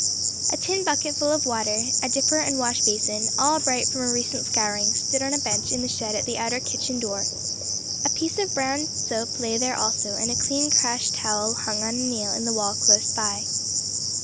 A tin bucket full of water, a dipper and washbasin, all bright from a recent scouring, stood on a bench in the shed at the outer kitchen door; a piece of brown soap lay there also, and a clean crash towel hung on a nail in the wall close by.